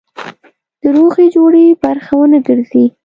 د روغې جوړې برخه ونه ګرځي.